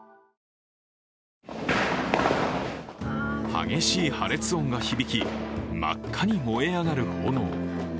激しい破裂音が響き真っ赤に燃え上がる炎。